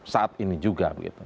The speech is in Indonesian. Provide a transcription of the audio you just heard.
saat ini juga begitu